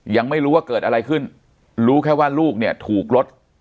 ยังไม่รู้ว่าเกิดอะไรขึ้นรู้แค่ว่าลูกเนี่ยถูกรถ